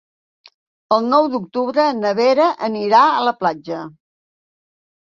El nou d'octubre na Vera anirà a la platja.